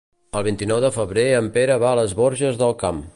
El vint-i-nou de febrer en Pere va a les Borges del Camp.